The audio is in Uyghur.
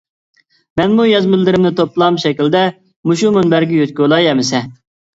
مەنمۇ يازمىلىرىمنى توپلام شەكلىدە مۇشۇ مۇنبەرگە يۆتكىۋالاي ئەمسە.